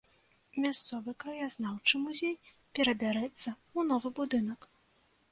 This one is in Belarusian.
Мясцовы краязнаўчы музей перабярэцца ў новы будынак.